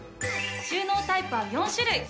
収納タイプは４種類。